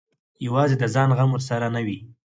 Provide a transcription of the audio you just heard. یوازې د ځان غم ورسره نه وي.